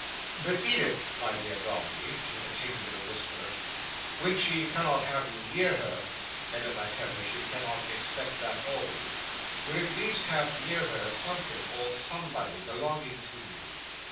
"But Edith, my dear Dombey," she continued in a whisper, "when she cannot have you near her—and as I tell her, she cannot expect that always—will at least have near her something or somebody belonging to you.